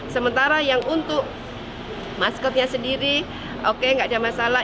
sementara yang untuk maskotnya sendiri oke nggak ada masalah